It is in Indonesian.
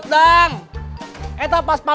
siang udah pergi